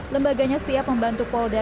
lembaganya siap membantu polda